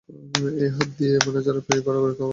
এই হাত দিয়েই ম্যানেজারের পায়ে গড়াগড়ি খাওয়া লাগবে।